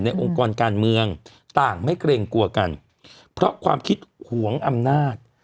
องค์กรการเมืองต่างไม่เกรงกลัวกันเพราะความคิดหวงอำนาจ